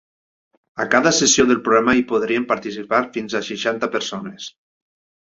A cada sessió del programa hi podrien participar fins a seixanta persones.